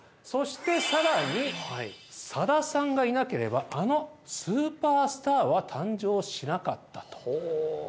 そしてさらに、佐田さんがいなければ、あのスーパースターは誕生しなかったと。